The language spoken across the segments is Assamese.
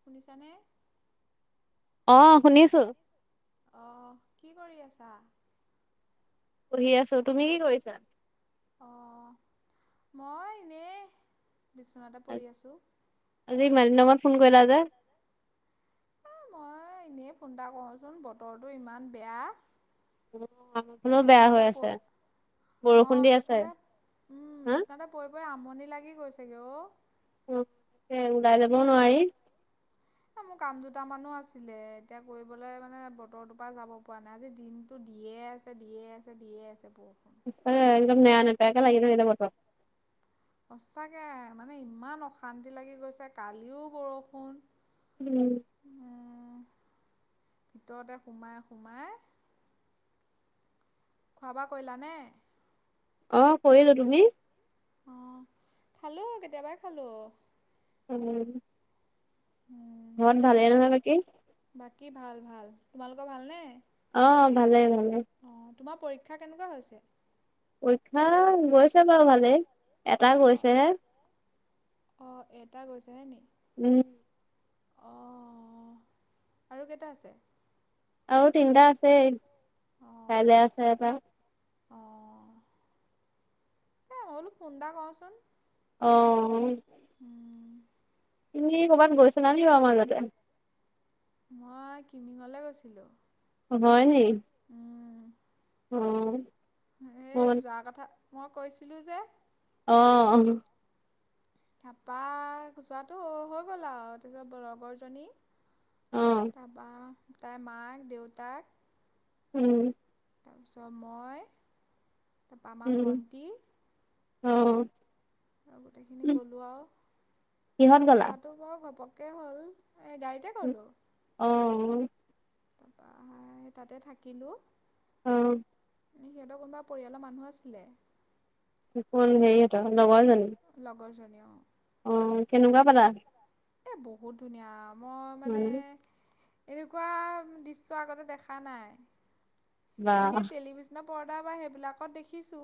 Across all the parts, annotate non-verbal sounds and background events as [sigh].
শুনিছানে অ শুনিছো অহ কি কৰি আছা পঢ়ি আছো তুমি কি কৰিছা অহ মই এনেই বিছনাতে পৰি আছোঁ ইমান দিনৰ মূৰত ফোন কৰিলা যে এ মই এনেই ফোন এটা কৰো চোন বতৰটো ইমান বেয়া বিছনাতে পৰি অ বিছনাতে উম বিছনাতে পৰি পৰি আমনি লাগি গৈছে। হেল্ল অ তাতে ওলাই যাবও নোৱাৰি মোৰ কাম দুটামানো আছিলে এতিয়া কৰিবলৈ মানে বতৰটোৰ পৰা যাব পৰা নাই আজি দিনতো দিয়ে আছে দিয়ে আছে দিয়ে আছে বহুত সচাকে একদম নেৰানেপেৰাকে লাগি ধৰিলে বতৰ সঁচাকে মানে ইমান অশান্তি লাগি গৈছে কালিও বৰষুণ উম ভিতৰতে সোমাই সোমাই খোৱা বোৱা কৰিলা নে? অ কৰিলো তুমি আহ খালো কেতিয়াবাই খালো উম ঘৰত ভালেই নহয় বাকী তোমালোকৰ ভালনে অ ভালে ভালে অ তোমাৰ পৰীক্ষা ৰীক্ষা কেনেকুৱা হৈছে পৰীক্ষা গৈছে বাৰু ভালে এটা গৈছে হে উম অঁ আৰু কেইটা আছে আৰু তিনিটা আছেই কাইলৈ আছে এটা অ এ বোলো ফুন এটা কৰো চোন আহ তুমি ক'ৰবাত গৈছিলানি বাৰু মাজতে মই কিমিঙলে গৈছিলো হয় নি উম উম এ যোৱা কথা মই কৈছিলো যে অ অ তাৰপৰা যোৱাটো হৈ গ'ল আৰু তাৰপিছত লগৰ জনী তাৰপৰা তাই মাক দেউতাক উম তাৰপিছত মই তাৰ পা আমা ভণ্টি অ'। গোটেইখিনি গ'লো আও, এ যোৱাতো মই ঘপক কে হ'ল। অ'। তাৰপা তাতে থাকিলো। অ'। সিহঁতৰ কোনোবা পৰিয়ালৰ মানুহ আছিলে। সেই কোন, হেৰিহঁতৰ লগৰজনীৰ অ' কেনেকুৱা পালা? এ বহুত ধুনীয়া। মই মানে! এনেকুৱা দৃশ্য আগতে দেখা নাই। ইনে টেলিভিচনৰ। পৰ্দা বা সেইবিলাকত দেখিছো।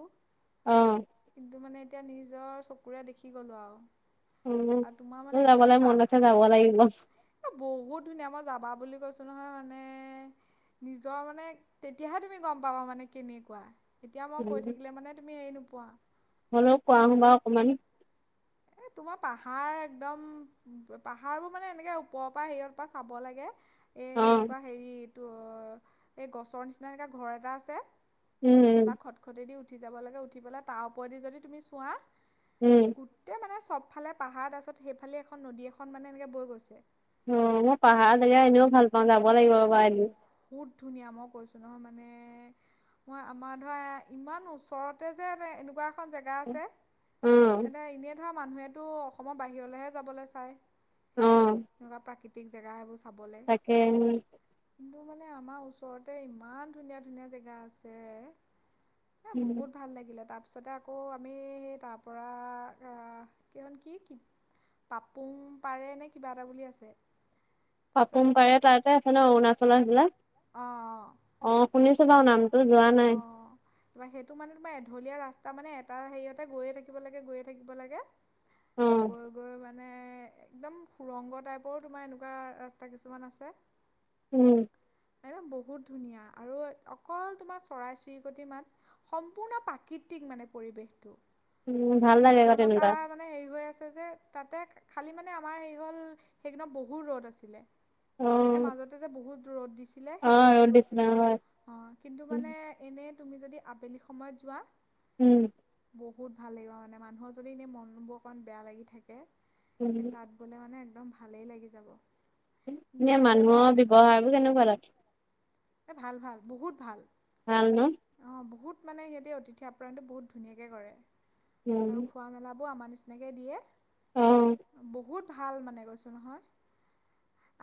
কিন্তু মানে। এতিয়া নিজৰ চকুৰে দেখি গ'লো আৰু! উম উলাবলে। পাহ, এ বহুত ধুনীয়া, মই যাবা বুলি কৈছো। নহয় মানে, নিজৰ মানে তেতিয়াহে তুমি গম পাবা মানে কেনেকুৱা! এতিয়া মই কৈ থাকিলে মানে তুমি এই। পোৱা হ'লেও কোৱা সোণ বাৰু অকমান এ তোমাৰ পাহাৰ একদম। পাহাৰবোৰ মানে এনেকে ওপৰৰ পৰা হেৰিয়ৰ পৰা চাব লাগে। এ এনেকুৱা হেৰিত। ত' এই গছৰ নিচিনা এনেকুৱা ঘৰ এটা আছে। তাৰপা খটখটেদি উঠি। উঠি যাব লাগে, উঠি পেলাই তাৰ ওপৰেদি যদি তুমি চোৱা। গোটেই মানে। চবফালে পাহাৰ তাৰপিছত, সেইফালে এখন। এখন নদী এখন মানে এনেকে বৈ গৈছে। অ' মই পাহাৰ জেগা এনেও ভাল পাওঁ, যাব লাগিব ৰ'বা এদিন। মানে, মই আমাৰ ধৰা ইমান ওচৰতে যে এনেকুৱা। খন জেগা আছে, এনে ধৰা। মানুহেটো অসমৰ বাহিৰলে যাবলে চায় তেনেকুৱা প্ৰাকৃ জেগা সেবোৰ তাকে। এইটো মানে আমাৰ ওচৰতে ইমান ধুনীয়া ধুনীয়া জেগা আছে। এ বহুত ভাল লাগিলে তাত তাৰপিছতে আকৌ আমি সেই তাৰ পৰা আ এইখন কি পাপুং পাৰে নে কিবা এটা বুলি আছে পাপোং পাৰে তাতে আছে ন অৰুণাচলৰ সেইফালে? অ অ, অ তোমাৰ সেইটো মানে তোমাৰ এঢলীয়া ৰাস্তা তামানে এটা হেৰিয়তে গৈয়ে থাকিব লাগে গৈয়ে থাকিব লাগে। গৈ গৈ মানে মানে একদম সুৰংগ টাইপৰো তোমাৰ এনেকুৱা ৰাস্তা কিছুমান আছে। উম। বহুত ধুনীয়া আৰু অকল তোমাৰ চৰাই চিৰিকটি মাত। সম্পূৰ্ণ প্ৰাকৃতিক মানে পৰিৱেশটো। আ নিৰ্জনতা মানে হেৰি হৈ আছে যে তাতে খালি মানে আমাৰ সেই হ'ল সেইকেইদিনত বহুত ৰ'দ আছিলে এ মাজতে যে বহুত ৰ'দ দিছে সেইকেদিনতে গৈছিলো। অ কিন্তু মানে এনে তুমি যদি আবেলি সময়ত যোৱা উম। বহুত ভাল লাগিব মানে, মানুহক যদি এনেই মনবোৰ অকমান বেয়া লাগি থাকে এ তাত গ'লে মানে একদম ভালেই লাগি যাব। এনে মানুহৰ ব্যবহাৰ বোৰ কেনেকুৱা তাত এ ভাল ভাল বহুত ভাল। ভাল ন মানে সিহঁতি অতিথি আপ্ৰায়ণটো বহুত ধুনীয়াকে কৰে। আৰু খোৱা মেলা বোৰ আমাৰ নিচিনা নিচিনাকে দিয়ে। বহুত ভাল মানে কৈছোঁ নহয়।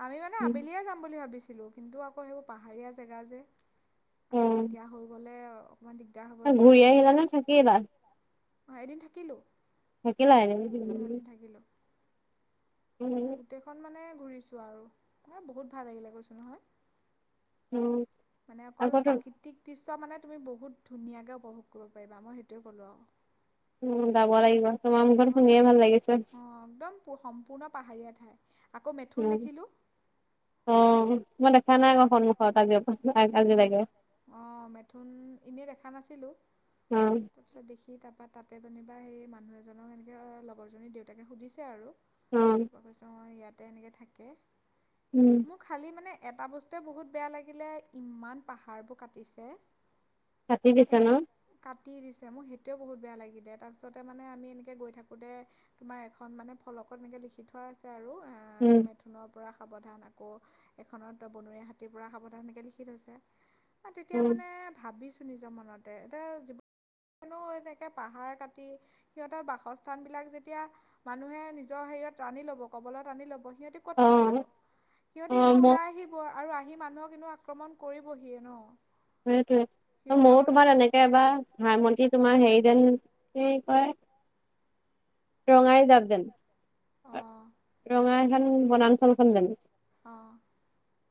আমি মানে আবেলিয়ে যাম বুলি ভাবিছি কছিলো। কিন্তু আকৌ সেইবোৰ পাহ- পাহাৰীয়া জেগা যে। আকৌ সন্ধিয়া হৈ গলে- ঘূৰি আহিলা নে থাকিলা? অঁ এদিন থাকিলো। থাকিলা এদিন। গোটেইখন মানে- ঘুৰিছো আৰু। এ' বহুত ভাল লাগিলে কৈছো নহয়। মানে অকল প্ৰাকৃতিক দৃশ্য- চোৱা মানে তুমি বহুত ধুনীয়াকে উপভোগ কৰিব পাৰিবা। মই সেইটোৱে ক'লো আৰু। উম' যাব লাগিব। অঁ অঁ একদম সম্পূৰ্ণ পাহাৰীয়া। উম' অঁ মই- মই উম' অঁ মেথুন এনেই দেখা- দেখা নাছিলো। তাৰপিছত দেখি তাৰপা- তাতে যেনিবা সেই মানুহ এজনক এনেকৈ লগৰজনী দেউতাকে সুধিছে আৰু। কিবা কৈছো। মই ইয়াত- তেনেকে থাকে। মোৰ খালী মানে- এটা বস্তুৱে বহুত বেয়া লাগিলে ইমান পাহাৰবোৰ কাটিছে। কাটি দিছে ন। দিছে। মোৰ সেইটোৱে বহুত বেয়া লাগিলে। তাৰপিছতে মানে আমি এনেকৈ গৈ থাকোঁতে তোমাৰ এখন মানে ফলকত এনেকৈ লিখি থোৱা আছে আৰু। মেথুনৰ পৰা- সাৱধান আকৌ। সেইখনত বনৰীয়া হাতীৰ পৰা সাৱধান এনেকে লিখি থৈছে। তেতিয়া মানে ভাবিছো- নিজৰ মনতে। এতিয়া জীৱ এনেকে পাহাৰ কাটি সিহঁতৰ বাসস্থান বিলাক যেতিয়া মানুহে নিজৰ হেৰিত আনি ল'ব কবলত আনি ল'ব। সিহঁতে ক'ত থাকিব। সিহঁতি- ওলাই আহিবই। আৰু - আহি মানুহক কিন্তু আক্ৰমণ কৰিব হিয়ে ন। সেইটোয়ে। মইও তোমাৰ তেনেকে এবাৰ ভাইমন্তি তোমাৰ হেৰি- [unintelligible] ৰঙাই যাব দন [unintelligible] ৰঙাই খন বনাঞ্চলখন জানো? আহ!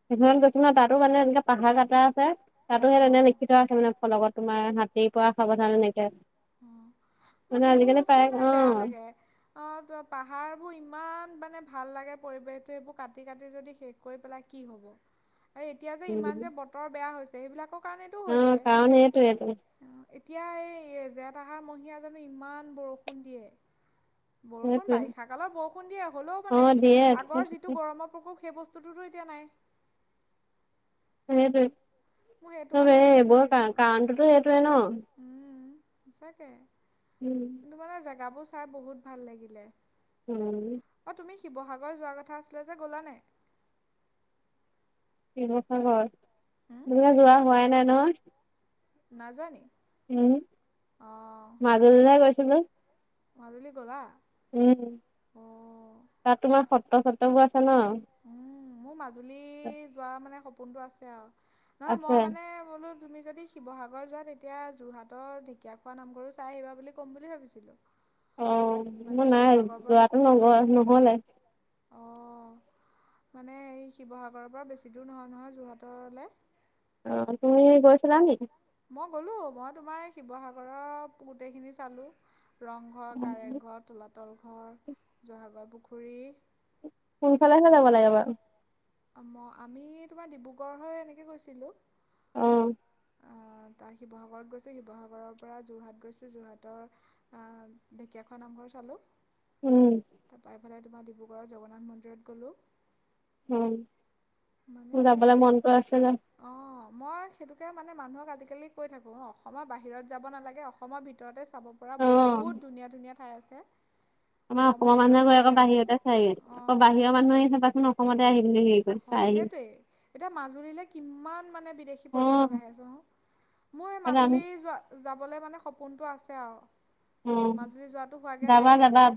সেইখনত গৈছোঁ ন, তাতো মানে এনেকে পাহাৰ কাটা আছে তাতো সেই তেনেকে লিখি থোৱা আছে মানে ফলকত, তোমাৰ হাত হেৰি পোৱা সাৱধানে [unintelligible] উম মোৰ সেইবোৰ বস্তুৱেই মানে বেয়া লাগে। অঁ! ত‌ই পাহাৰবোৰ ইমান মানে ভাল লাগে পৰিৱেশটো, সেইবোৰ কাটি-কাটি যদি শেষ কৰি পেলাই, কি হব? আৰু এতিয়া যে ইমান যে বতৰ বেয়া হৈছে [unintelligible] সেইবিলাকক অঁ! কাৰণেইটো এইবোৰ এতিয়া এই [unintelligible] জেঠ আহাৰ মহিয়াজানো ইমান বৰষুণ দিয়ে? বৰষুণ, বাৰিষাকালত বৰষুণ দিয়ে, হলেও মানে আগৰ যিটো গৰমৰ প্ৰকোপ সেই বস্তুটো ততো এতিয়া নাই। সেইটোৱেই। চব এইবোৰৰ কা-কাৰণটোতো সেইটোৱেই ন। সঁচাকে। কিছুমানে জেগাবোৰ চাই বহুত ভাল লাগিলে। উম! শিৱসাগৰ যোৱাৰ কথা আছিলে যে, গ'লা নাই? শিৱসাগৰ! [unintelligible] যোৱা হোৱাই নাই নহয়। নাই যোৱা নি? উম! মাজুলীলেহে গৈছিলোঁ। মাজুলী গ'লা? উম! তাত তোমাৰ স সত্ৰ-চত্ৰবোৰ আ আছে ন মোৰ মাজু লী যোৱা মানে সপো সপোনটো আছে আৰু। নহয়, মই মানে বোলো তুমি যদি শিৱসাগৰ যোৱা তেতিয়া যোৰহাটৰ ঢেকীয়াখোৱা নামঘৰু চাই আহিবা বুলি ক'ম বুলি ভাবিছিলোঁ। অ মই নাই যোৱাটো নগ নহলে। মানে এই শিৱসাগৰৰ পৰা বেছি দূৰ নহয় নহয় যোৰহাটলৈ। অ তুমি গৈছা নেকি। মই গ'লো মই তোমাৰ শিৱসাগৰৰ গোটেইখিনি চালো। ৰংঘৰ কাৰেংঘৰ তলাতল ঘৰ জয়সাগৰ পুখুৰী পুখুৰী। কোনফালেহে যাব লাগে বাৰু আমি তোমাৰ ডিব্ৰুগড় হৈ এনেকে গৈছিলো। আহ। তাৰ শিৱসাগৰত গৈছোঁ শিৱসাগৰৰ পৰা যোৰহাট গৈছোঁ যোৰহাটৰ ঢেকীয়াখোৱা নামঘৰ চালোঁ। তাৰপাফালে। তোমাৰ ডিব্ৰুগড়ৰ জগন্নাথ মন্দিৰত গ'লোঁ। উম মোৰ যাবলৈ মনটো আছিলে। মই সেইটোকে মানে মানুহক আজিকালি কৈ থাকোঁ অসমৰ বাহিৰত যাব নালাগে অসমৰ ভিতৰতে। চাব পৰা বহুত ধুনীয়া ধুনীয়া। ঠাই আছে। আমাৰ অসমৰ মানুহে গৈ আকৌ বাহিৰতে চাই আকৌ বাহিৰৰ মানুহ আহ চাবাচোন অসমতে আহে অসম সেইটোৱেই এতিয়া মাজুলীলৈ কিমান মানে বিদেশী পৰ্যটক আহেছো মই মাজুলী যোৱা। যাবলৈ মানে সপোনটো আছে আৰু। মাজুলী যোৱাটো হোৱাগে নাই এতিয়ালৈকে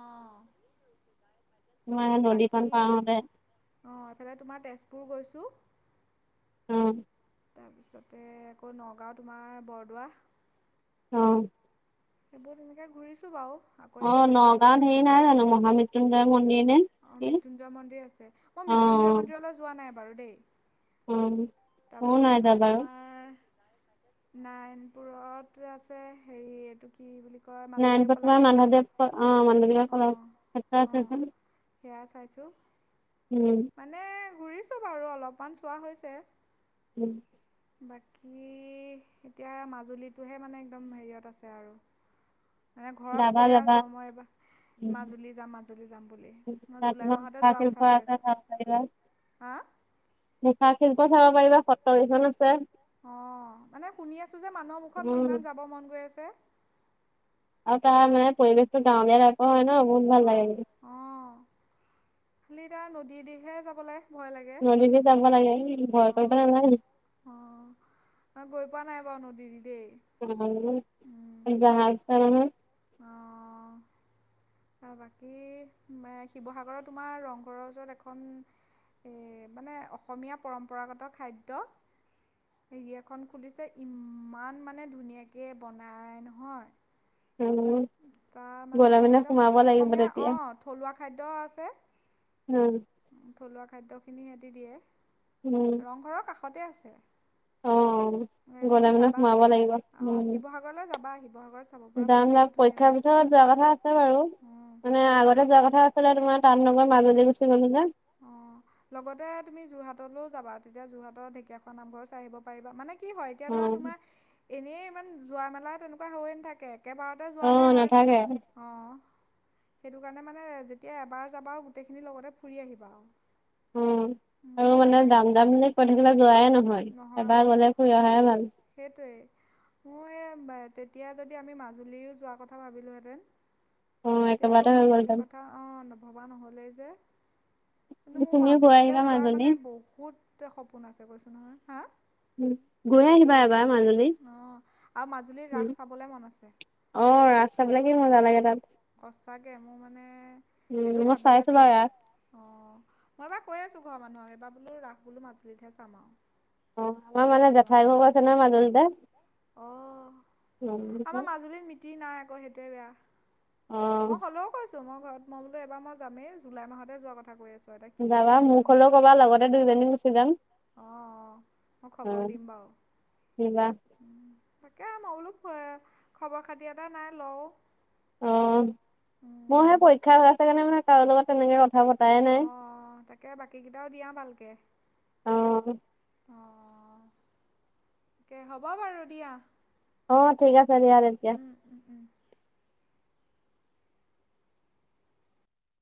অ। বাকী অ এইফালে তোমাৰ তেজপুৰ গৈছো। ছো উম। তাৰপিছতে আকৌ নগাঁও তোমাৰ বৰদোৱা। আহ। এইবোৰ তেনেকে ঘূৰিছো বাৰু। অ নগাঁৱত হেৰি নাই জানো মহামৃত্যুঞ্জয় মন্দিৰ নে। অ মৃত্যুঞ্জয় মন্দিৰ আছে মই মৃত্যুঞ্জয় মন্দিৰলৈ যোৱা নাই নাই বাৰু দেই। উ ম মই নাই যোৱা বাৰু। নাৰায়ণপুৰত আছে হেৰি এইটো কি বুলি। ননপ মানপ অ মানদীপ কলেত আ। [unintelligible] বেয়া চাইছো মানে। ফুৰিছোঁ বাৰু অলপমান চোৱা হৈছে। উম। বাকী এতিয়া মাজুলীটোহে মানে একদম হেৰিয়ত আছে আৰু। মানে ঘৰত কৈয়ে আছোঁ মই মাজুলী যাম মাজুলী যাম বুলি। মুখাখিল খ চখা। ক চাব পাৰিবা ফত কেইখন আছে। অ মানে শুনি আছো যে মানুহৰ মুখত মোৰ ইমান যাব মন গৈ আছে। আৰু তাৰ মানে পৰিৱেশতো গাৱলীয়া ৰা। অ ন। বহুত ভাল লাগে ন। দি দিঘে যাব লাগে। নদী যাব লাগে ভয় কৰিব নালাগে। পোৱা নাই বাঅ নদী। উ জাহাজ গাড়ীনে। বাকী শিৱসাগৰৰ তোমাৰ ৰংঘৰৰ ওচৰত এখন মানে অসমীয়া পৰম্পৰাগত খাদ্য হেৰি এখন খুলিছে ইমান মানে ধুনীয়াকৈ বনাই নহয়। তাৰ মানে একদম অসমীয়া অ থলুৱা খাদ্য আছে থলুৱা খাদ্য। খিনি সিহতি দিয়ে। ৰংঘৰৰ কাষ। সতে আছে। এ তুমি যাবা অ শিৱসাগৰলে যাবা শিৱসাগৰত চাব পৰা বহুত। া পৰীক্ষাৰ পিছত যোৱা কথা আছে বাৰু মানে আগতে যোৱা কথা আছিলে তোমাৰ তাননগৰ মাজুলী গ। গ'লি নে। অ লগতে তুমি যোৰহাটলৈও যাবা তেতিয়া যোৰহাটৰ ঢেকীয়াখোৱা নামঘৰ চাই আহিব পাৰিবা মানে। কি হয় এতিয়া ধৰা তোমাৰ এনেই ইমান। যোৱা মেলা তেনেকুৱা হৈ নাথাকে। একেবাৰতে যোৱাহে হয় অ। সেইটো কাৰণে মানে যেতিয়া এবাৰ যাবা গোটেই খিনি লগতে ফুৰি আহিব। [unintelligible] উ আৰু মানে দাম দাম বুলি কৈ থাকিলে যোৱাই নহয় এবাৰ গলে ফুৰি অহাই ভাল। তেতিয়া যদি আমি মাজুলীও যোৱা কথা ভাবিলোহেতেন। এতিয়া আকৌ মাজুলীৰ কথা অ নভবা নহলেই যে। কিন্তু মোৰ মাজুলীলৈ যোৱাৰ মানে বহুত সপোন আছে কৈছো। হা। উম গৈ আহিবা মাজুলী উ অ ৰাস চাবলৈ কি মজা লাগে তাত সঁচাকে মোৰ মানে সেইটো ভাবি আছোঁ অ মই বাৰু কৈ আছো খোৱা মানুহক এইবাৰ বোলো ৰাস মাজুলিতহে চাম আও অ আমাৰ মানে জেঠাই ঘৰো আছে নহয় মাজুলীতে উ আকৌ সেইটোৱে বেয়া মই হলেও কৈছো ঘৰত মই বোলো এবাৰ মই যামেই জুলাই মাহতে যোৱা কথা কৈ আছোঁ ও যাবা মোক হলেও কবা লগতে দুইজনী গুচি যাম অ অ মই খবৰ দিম বাৰু উ তাকে মই অলপ খবৰ খাতি এটা নাই লওঁ অ মই সে পৰীক্ষা হৈ আছে কাৰণে মানে কাৰো লগত তেনেকে [unintelligible] অহ তাকে বাকী কেইটাও দিয়া ভালকে অ তাকে হ'ব বাৰু দিয়া অ ঠিক আছে দিয়া তেন্তে